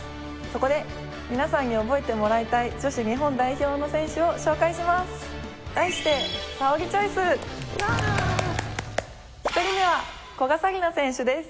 そこで皆さんに覚えてもらいたい女子日本代表選手を紹介します。